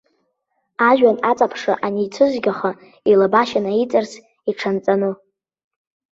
Ажәҩан аҵаԥшра аницәыцәгьаха, илабашьа наиҵарс, иҽанҵаны.